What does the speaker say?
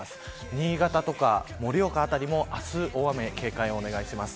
新潟や盛岡辺りも明日大雨に警戒をお願いします。